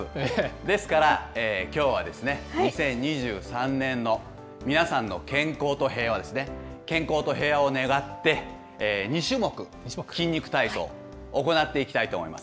ですから、きょうはですね、２０２３年の皆さんの健康と平和ですね、健康と平和を願って、２種目、筋肉体操を行っていきたいと思います。